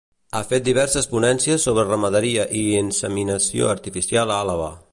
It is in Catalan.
Ha fet diverses ponències sobre ramaderia i inseminació artificial a Àlaba.